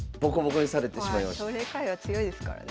奨励会は強いですからね。